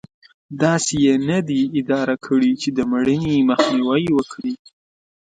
داسې یې نه دي اداره کړې چې د مړینې مخنیوی وکړي.